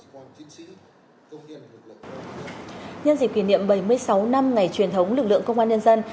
nhân dịp kỷ niệm bảy mươi sáu năm ngày truyền thống lực lượng công an nhân dân